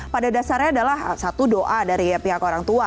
pada dasarnya adalah satu doa dari pihak orang tua